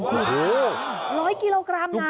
คุณฮะ๑๐๐กิโลกรัมนะ